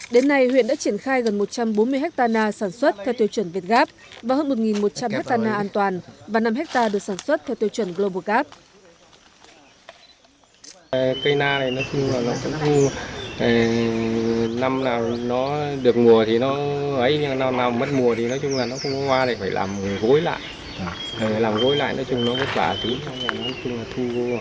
đến nay huyện đã triển khai gần một trăm bốn mươi ha sản xuất theo tiêu chuẩn việt gáp và hơn một một trăm linh ha an toàn và năm ha được sản xuất theo tiêu chuẩn global gap